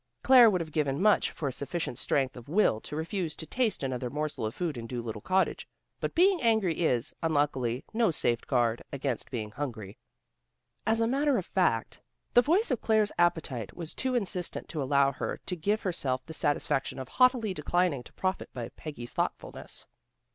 Claire would have given much for sufficient strength of will to refuse to taste another morsel of food in Dolittle Cottage, but being angry is, unluckily, no safeguard against being hungry. As a matter of fact, the voice of Claire's appetite was too insistent to allow her to give herself the satisfaction of haughtily declining to profit by Peggy's thoughtfulness.